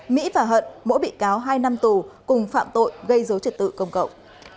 mỹ và hận mỗi bị cáo hai năm tù cùng phạm tội gây dối trật tự công cộng